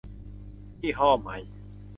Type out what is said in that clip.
ยี่ห้อใหม่